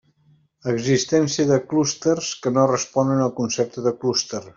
Existència de clústers que no responen al concepte de clúster.